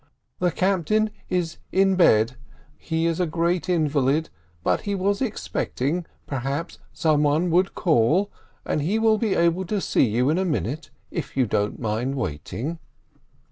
"The Captain is in bed; he is a great invalid, but he was expecting, perhaps, some one would call, and he will be able to see you in a minute, if you don't mind waiting."